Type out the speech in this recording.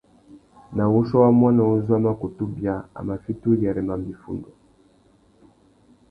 Nà wuchiô wa muaná uzu a mà kutu bia, a mà fiti uyêrê mamba iffundu.